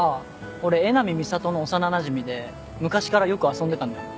俺江波美里の幼なじみで昔からよく遊んでたんだよね。